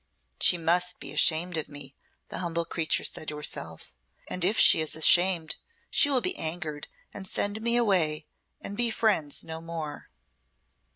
"She must be ashamed of me," the humble creature said to herself. "And if she is ashamed she will be angered and send me away and be friends no more."